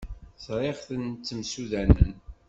Ẓriɣ-ten ttemsudanen.